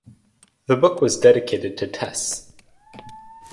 The book was dedicated to Tess.